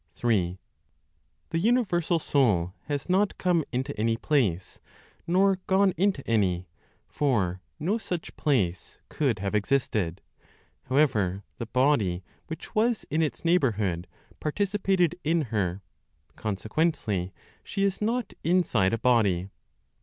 The universal Soul has not come into any place, nor gone into any; for no such place could have existed. However, the body, which was in its neighborhood, participated in her, consequently, she is not inside a body.